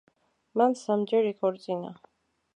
მან სამჯერ იქორწინა.